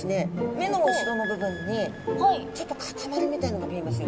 目の後ろの部分にちょっと塊みたいなのが見えますよね。